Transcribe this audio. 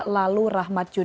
lalu rahmat jokowi